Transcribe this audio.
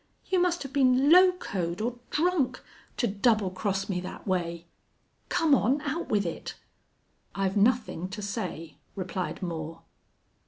You must have been locoed or drunk, to double cross me thet way. Come on, out with it." "I've nothing to say," replied Moore.